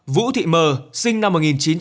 vũ thị m sinh năm một nghìn chín trăm bảy mươi hai